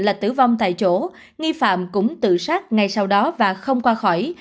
là tử vong tại chỗ nghi phạm cũng tự sát ngay sau đó và không qua khỏi